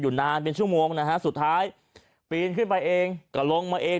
นานเป็นชั่วโมงนะฮะสุดท้ายปีนขึ้นไปเองก็ลงมาเอง